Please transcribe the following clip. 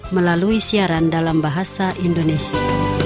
melalui siaran dalam bahasa indonesia